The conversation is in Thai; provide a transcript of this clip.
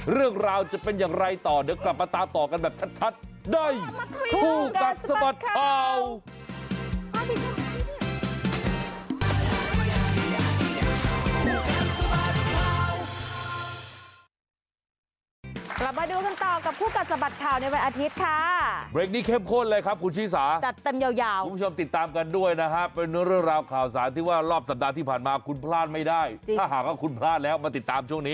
เรื่องราวจะเป็นอย่างไรต่อเดี๋ยวกลับมาตามต่อกันแบบชัด